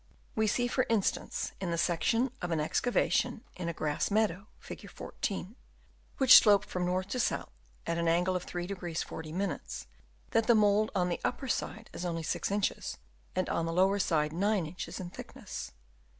We see, for instance, in the section of an excavation in a grass meadow (Fig. 14), which sloped from north to south at an angle of 3° 40', that the mould on the upper side is only six inches and on the lower side nine inches in thick ness.